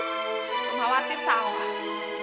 rum khawatir salah